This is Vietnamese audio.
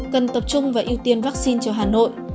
cần tập trung và ưu tiên vaccine cho hà nội